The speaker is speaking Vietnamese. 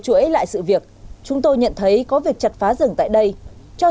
chuỗi lại sự việc chúng tôi nhận thấy có việc chặt phá sản xuất nông nghiệp và phát triển nông thôn